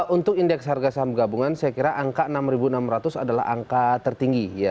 untuk indeks harga saham gabungan saya kira angka enam enam ratus adalah angka tertinggi